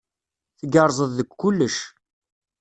Tgerrzeḍ deg kullec.